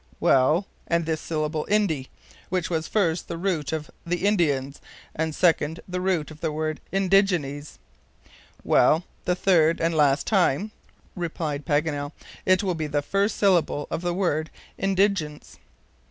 "Well, and this syllable, INDI, which was first the root of the INDIANS, and second the root of the word indigenes?" "Well, the third and last time," replied Paganel, "it will be the first syllable of the word INDIGENCE."